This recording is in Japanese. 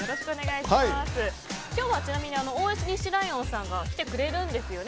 今日はちなみに大西ライオンさんが来てくれるんですよね。